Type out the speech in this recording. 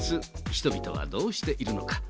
人々はどうしているのか。